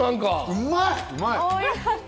うまい！